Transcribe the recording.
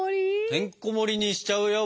てんこもりにしちゃうよ